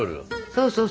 そうそうそう。